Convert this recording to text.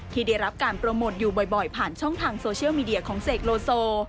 ที่ได้รับการโปรโมทอยู่บ่อยผ่านช่องทางโซเชียลมีเดียของเสกโลโซ